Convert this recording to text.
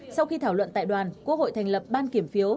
sau khi thảo luận tại đoàn quốc hội thành lập ban kiểm phiếu